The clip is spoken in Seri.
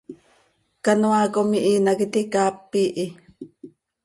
Canoaa com ihiin hac iti caap iihi.